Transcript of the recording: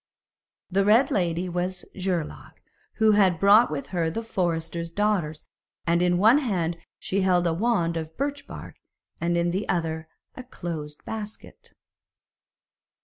The red lady was Geirlaug, who had brought with her the forester's daughters, and in one hand she held a wand of birch bark, and in the other a closed basket.